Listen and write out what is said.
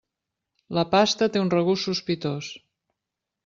La pasta té un regust sospitós.